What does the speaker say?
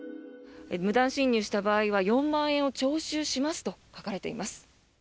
無断進入した場合には４万円を徴収しますと書かれています。